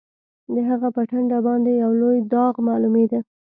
د هغه په ټنډه باندې یو لوی داغ معلومېده